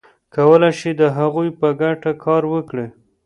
کولای شي د هغوی په ګټه کار وکړي.